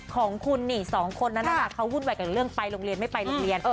ของคุณนี่สองคนนั้นนะคะเขาวุ่นวายกับเรื่องไปโรงเรียนไม่ไปโรงเรียน